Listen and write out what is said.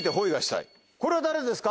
これは誰ですか？